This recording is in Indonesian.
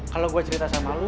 kalau gue cerita sama lu